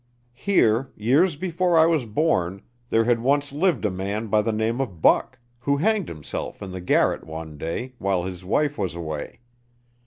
Here, years before I was born, there had once lived a man by the name of Buck, who hanged himself in the garret one day, while his wife was away.